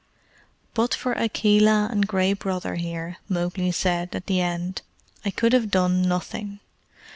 "But for Akela and Gray Brother here," Mowgli said, at the end, "I could have done nothing.